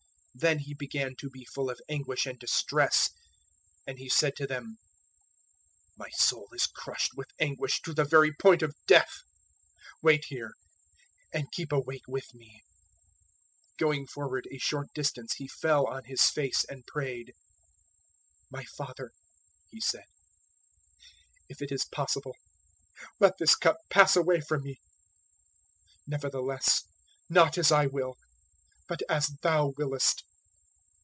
Then He began to be full of anguish and distress, 026:038 and He said to them, "My soul is crushed with anguish to the very point of death; wait here, and keep awake with me." 026:039 Going forward a short distance He fell on His face and prayed. "My Father," He said, "if it is possible, let this cup pass away from me; nevertheless, not as I will, but as Thou willest."